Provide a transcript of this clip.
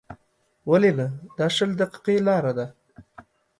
ولې نه، دا شل دقیقې لاره ده.